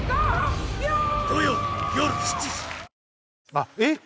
あっえっ？